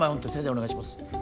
お願いします